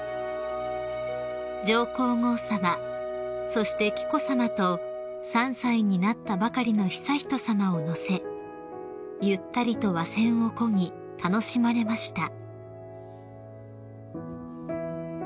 ［上皇后さまそして紀子さまと３歳になったばかりの悠仁さまを乗せゆったりと和船をこぎ楽しまれました］